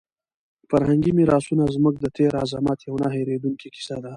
فرهنګي میراثونه زموږ د تېر عظمت یوه نه هېرېدونکې کیسه ده.